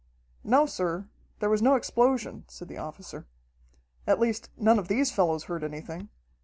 "No, sir, there was no explosion," said the officer. "At least, none of these fellows heard anything.